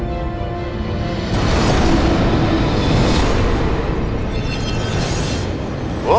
tidak ada where